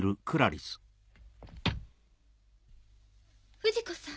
不二子さん。